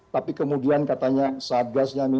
tapi kemudian katanya sadgasnya